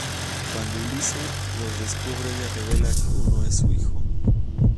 Cuando "Ulisse" los descubre, ella revela que uno es su hijo.